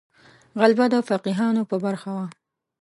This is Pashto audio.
غلبه د فقیهانو په برخه وه.